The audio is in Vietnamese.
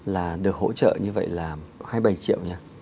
là được hỗ trợ như vậy là hai mươi bảy triệu thôi